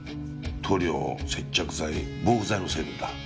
塗料接着剤防腐剤の成分だ。